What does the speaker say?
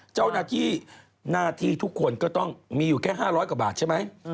เจ้าหน้าที่หน้าที่ทุกคนก็ต้องมีอยู่แค่๕๐๐กว่าบาทใช่ไหม